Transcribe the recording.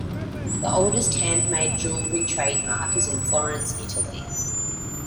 The oldest handmade jewelry trademark is in Florence, Italy.